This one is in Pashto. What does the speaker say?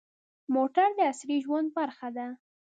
موټر د عصري ژوند برخه ده.